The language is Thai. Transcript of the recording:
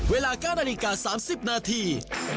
เวลา๙นาฬิกา๓๐นาที